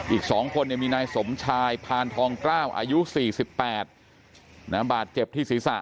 อีก๒คนมีนายสมชายพานทองกล้าวอายุ๔๘บาดเจ็บที่ศีรษะ